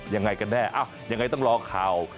ยังไงกันแน่ยังไงต้องรอข่าว